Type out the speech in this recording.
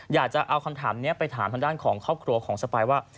อยากจะเอาคำถามนี้ไปถามทางด้านของครอบครัวของสปายว่า